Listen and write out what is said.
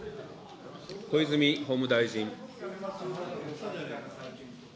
小泉法務大臣。